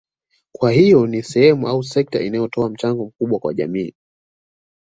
Kwa hiyo ni sehemu au sekta inayotoa mchango mkubwa kwa jamii